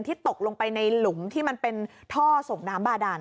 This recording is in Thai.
ตกลงไปในหลุมที่มันเป็นท่อส่งน้ำบาดาน